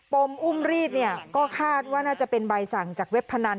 มอุ้มรีดก็คาดว่าน่าจะเป็นใบสั่งจากเว็บพนัน